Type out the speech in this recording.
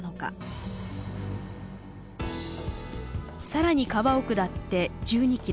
更に川を下って１２ｋｍ。